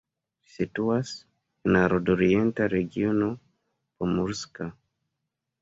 Ĝi situas en la nordorienta regiono Pomurska.